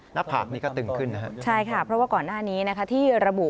หน้าผากนี้ก็ตึงขึ้นนะครับใช่ค่ะเพราะว่าก่อนหน้านี้นะคะที่ระบุ